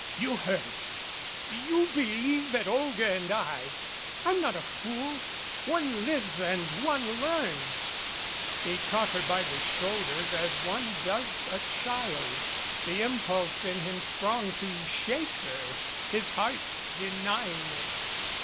"You heard. You believe that Olga and I " "I'm not a fool. One lives and one learns." He caught her by the shoulders as one does a child, 239 MADCAP the impulse in him strong to shake her, his heart deny ing it.